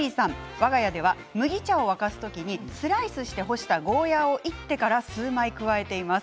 わが家は麦茶を沸かす時スライスして干したゴーヤーをいってから数枚くらいいっています。